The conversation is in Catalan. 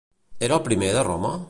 Era el primer de Roma?